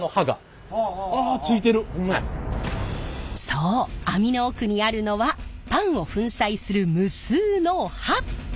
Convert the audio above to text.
そう網の奥にあるのはパンを粉砕する無数の刃！